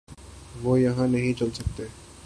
وہ یہاں نہیں چل سکتے۔